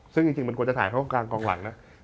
ซึ่งจริงมันควรจะถ่ายเพราะกลางกองหลังนะ